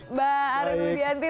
mbak ari budianti